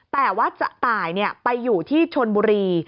แต่ว่าจะตายไปอยู่ที่ชนบุรี